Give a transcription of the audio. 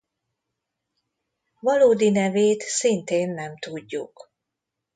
Valódi nevét szintén nem tudjuk.